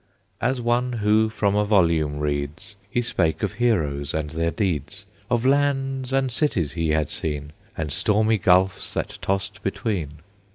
As one who from a volume reads, He spake of heroes and their deeds, Of lands and cities he had seen, And stormy gulfs that tossed between.